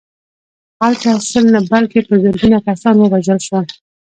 هلته سل نه بلکې په زرګونه کسان ووژل شول